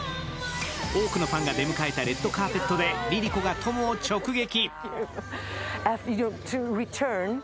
多くのファンが出迎えたレッドカーペットでＬｉＬｉＣｏがトムを直撃。